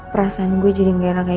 perasaan gue jadi ngerang kayak gini